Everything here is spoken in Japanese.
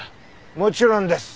もちろんです。